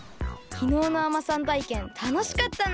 きのうのあまさんたいけんたのしかったな。